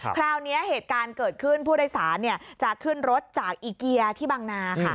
คราวนี้เหตุการณ์เกิดขึ้นผู้โดยสารจะขึ้นรถจากอีเกียร์ที่บางนาค่ะ